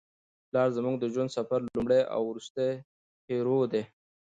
پلار زموږ د ژوند د سفر لومړی او وروستی هیرو دی.